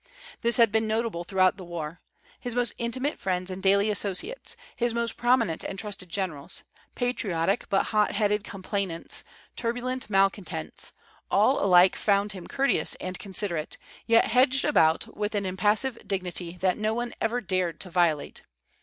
This had been notable throughout the war. His most intimate friends and daily associates, his most prominent and trusted generals, patriotic but hot headed complainants, turbulent malcontents, all alike found him courteous and considerate, yet hedged about with an impassive dignity that no one ever dared to violate.